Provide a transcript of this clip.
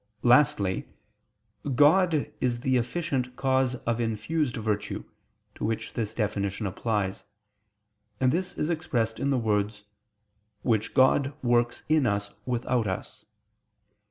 Lastly, God is the efficient cause of infused virtue, to which this definition applies; and this is expressed in the words "which God works in us without us."